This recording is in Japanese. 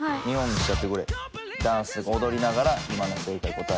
ダンス踊りながら今の答え。